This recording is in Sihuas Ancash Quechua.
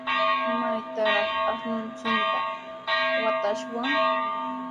¿Maytrawraq ashnunchikta watashwan?